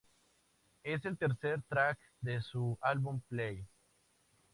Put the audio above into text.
Es el tercer "track" de su álbum Play.